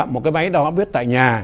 một cái máy đo hóa áp huyết tại nhà